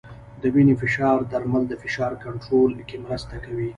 د وینې فشار درمل د فشار کنټرول کې مرسته کوي.